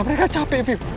mereka capek fit